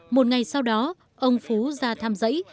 một ngày sau đó ông phú ra thăm dãy